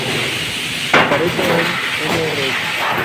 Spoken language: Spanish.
Aparece en Mrs.